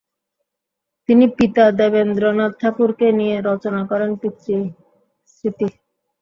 তিনি পিতা দেবেন্দ্রনাথ ঠাকুরকে নিয়ে রচনা করেন পিতৃস্মৃতি।